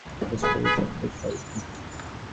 সেই স্তুপের সবটাই শ্যাওলায় ঢাকা।